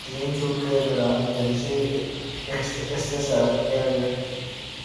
magazine shoot کے دوران جنسی استحصال کیا گیا